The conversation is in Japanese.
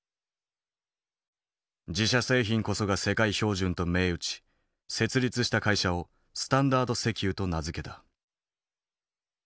自社製品こそが世界標準と銘打ち設立した会社をスタンダード石油と名付けた。